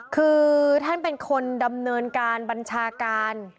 คือท่านเป็นคนดำเนินการบัญชาการ